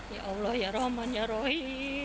ya allah ya rahman ya rohi